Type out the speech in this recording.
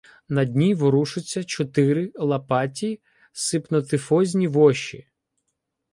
На дні ворушиться чотири лапаті сипнотифозні воші.